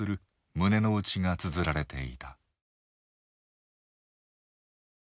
胸の内がつづられていた。